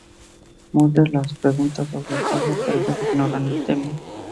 Mulder les pregunta sobre el caso pero ellos ignoran el tema.